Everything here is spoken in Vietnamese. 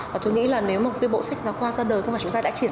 và tôi nghĩ là nếu một bộ sách giáo khoa ra đời không phải chúng ta đã chuyển